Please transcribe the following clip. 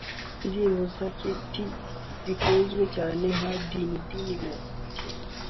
Indirimbo za Koité zakunzwe cyane nka Din din wo